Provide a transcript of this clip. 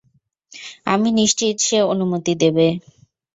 আমি নিশ্চিত সে অনুমতি দেবে।